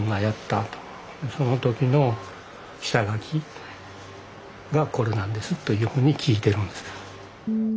その時の下書きがこれなんですというふうに聞いてるんです。